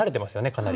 かなり。